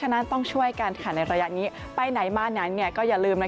ฉะนั้นต้องช่วยกันในระยะนี้ไปไหนมาไหนก็อย่าลืม